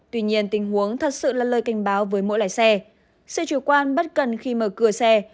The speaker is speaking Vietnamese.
tuy nhiên tình huống thật sự là lời canh báo với mỗi lái xe